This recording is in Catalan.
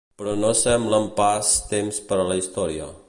Però no semblen pas temps per a la història.